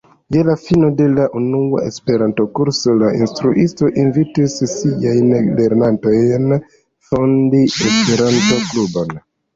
Je la fino de la unua Esperanto-kurso la instruisto invitis siajn lernantojn fondi Esperanto-klubon.